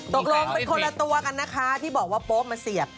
ตกลงเป็นคนละตัวกันนะคะที่บอกว่าโป๊มาเสียบ